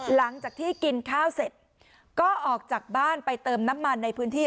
หลังจากที่กินข้าวเสร็จก็ออกจากบ้านไปเติมน้ำมันในพื้นที่